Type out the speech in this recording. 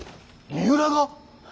三浦が！